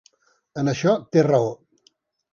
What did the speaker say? En això té raó.